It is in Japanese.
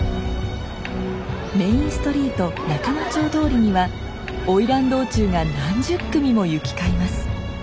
メインストリート仲之町通りには花魁道中が何十組も行き交います。